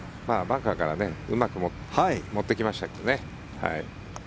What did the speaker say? バンカーからうまく持ってきましたけどね。